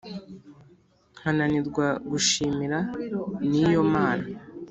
nkananirwa gushimira n'iyo mana